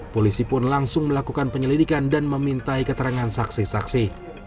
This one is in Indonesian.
polisi pun langsung melakukan penyelidikan dan memintai keterangan saksi saksi